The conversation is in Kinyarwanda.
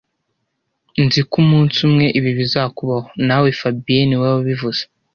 Nzi ko umunsi umwe ibi bizakubaho, nawe fabien niwe wabivuze